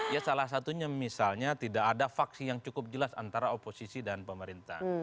ya salah satunya misalnya tidak ada faksi yang cukup jelas antara oposisi dan pemerintah